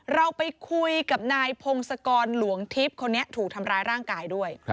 เราไปคุยกับนายพงศกรหลวงทิพย์คนนี้ถูกทำร้ายร่างกายด้วย